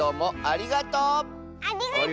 ありがとう！